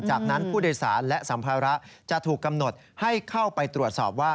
จากนั้นผู้โดยสารและสัมภาระจะถูกกำหนดให้เข้าไปตรวจสอบว่า